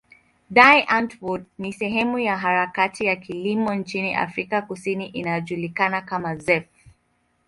Die Antwoord ni sehemu ya harakati ya kilimo nchini Afrika Kusini inayojulikana kama zef.